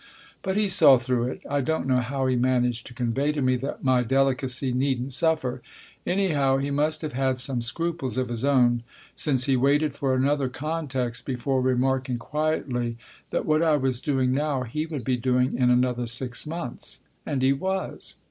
But he saw through it. I don't know how he managed to convey to me that my delicacy needn't suffer. Any how, he must have had some scruples of his own, since he waited for another context before remarking quietly that what I was doing now he would be doing in another six months. (And he was.)